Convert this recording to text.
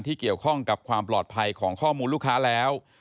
เกี่ยวข้องกับความปลอดภัยของข้อมูลลูกค้าแล้ว